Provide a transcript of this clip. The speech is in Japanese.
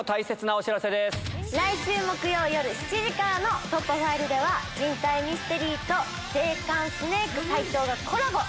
来週木曜夜７時からの『突破ファイル』では「人体ミステリー」と税関スネーク斉藤がコラボ！